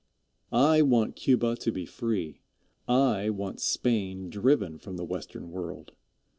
I want Cuba to be free. I want Spain driven from the Western World.